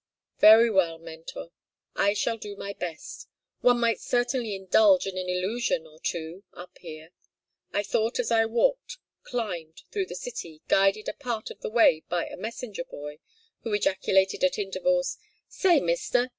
"Very well, mentor, I shall do my best. One might certainly indulge in an illusion or two up here. I thought as I walked climbed through the city, guided a part of the way by a messenger boy, who ejaculated at intervals, 'Say, mister!'